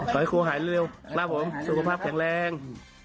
ขอให้ครูหายเร็วนะครับผมสุขภาพแข็งแรง